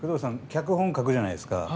脚本書くじゃないですか。